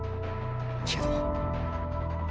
けど。